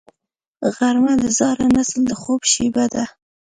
غرمه د زاړه نسل د خوب شیبه ده